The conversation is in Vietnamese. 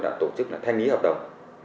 đã tổ chức thanh lý hợp đồng